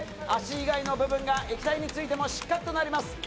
足以外の部分が液体についても失格となります。